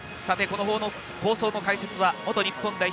放送の解説は元日本代表